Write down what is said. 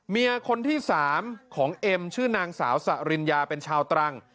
เมียคนที่๓ของเอ็มชื่อนางสาวสริญญาเป็นชาวตรัง